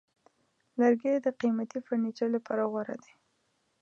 لرګی د قیمتي فرنیچر لپاره غوره دی.